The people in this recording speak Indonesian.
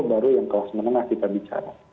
baru yang kalau sebenarnya kita bicara